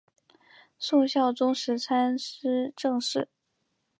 宋孝宗时参知政事。